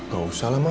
gak usah lah ma